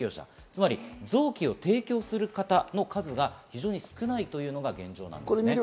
つまり臓器を提供する方の数が非常に少ないというのが現状です。